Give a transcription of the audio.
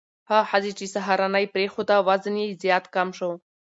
هغه ښځې چې سهارنۍ پرېښوده، وزن یې زیات کم شو.